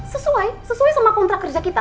sesuai sesuai sama kontrak kerja kita